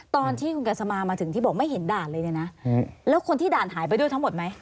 ตอนที่คุณกัสมามาถึงที่บอกไม่เห็นด่านเลยเนี่ยนะแล้วคนที่ด่านหายไปด้วยทั้งหมดไหม